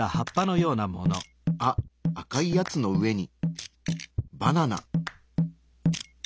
あ赤いやつの上にバナナ！